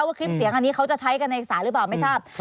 คลิปเสียงอันนี้เขาจะใช้กันในศาลหรือเปล่าไม่ทราบ